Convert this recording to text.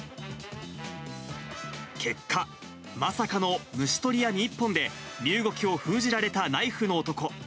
結果、まさかの虫捕り網１本で、身動きを封じられたナイフの男。